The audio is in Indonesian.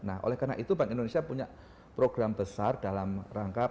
nah oleh karena itu bank indonesia punya program besar dalam rangka